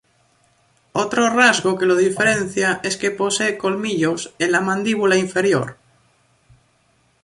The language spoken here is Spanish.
Otro rasgo que lo diferencia es que posee colmillos en la mandíbula inferior.